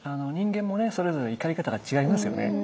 人間もねそれぞれ怒り方が違いますよね。